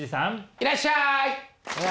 いらっしゃい！